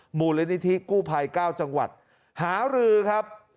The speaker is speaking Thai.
มูลนิธิกู้ภัย๙จังหวัดหารือครับ